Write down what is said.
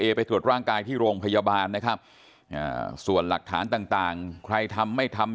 เอไปจะร่างกายที่โรงพยาบาลส่วนหลักฐานต่างใครทำไม่ทำ